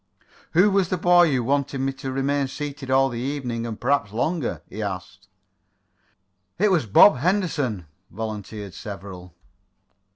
"Who was the boy who wanted me to remain seated all the evening, and perhaps longer?" he asked. "It was Bob Henderson," volunteered several.